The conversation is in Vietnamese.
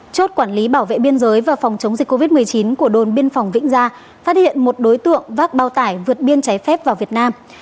chốt quản lý bảo vệ biên giới và phòng chống dịch covid một mươi chín của đồn biên phòng vĩnh gia phát hiện một đối tượng vác bao tải vượt biên trái phép vào việt nam